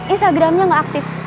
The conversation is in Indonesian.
instagramnya gak aktif